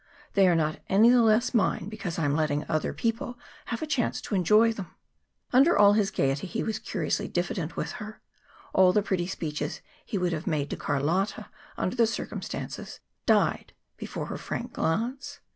"They are not any the less mine because I am letting other people have a chance to enjoy them." Under all his gayety he was curiously diffident with her. All the pretty speeches he would have made to Carlotta under the circumstances died before her frank glance.